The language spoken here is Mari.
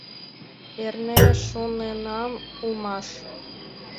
Верне шоненам улмаш.